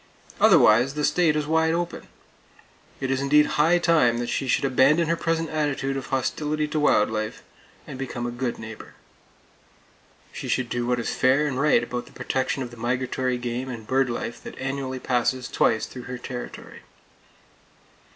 Otherwise, the state is wide open! It is indeed high time that she should abandon her present attitude of hostility to wild life, and become a good neighbor. She should do what is fair and right about the protection of the migratory game and bird life that annually passes twice through her territory!